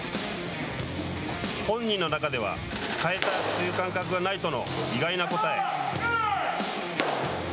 本人の中では変えたという感覚がないとの意外な答え。